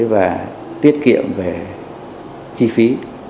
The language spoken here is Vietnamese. và tiết kiệm về chi phí